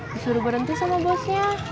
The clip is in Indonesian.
disuruh berhenti sama bosnya